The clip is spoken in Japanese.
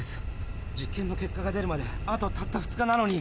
実験の結果が出るまであとたった２日なのに。